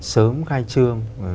sớm khai trương